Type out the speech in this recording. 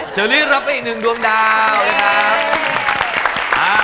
เชอรี่รับไปอีกหนึ่งดวงดาวนะครับ